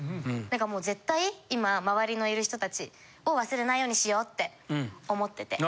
だからもう絶対今周りのいる人たちを忘れないようにしようって思ってて。